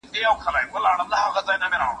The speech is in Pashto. که په ځان باور وي نو وېره نه غالبه کيږي.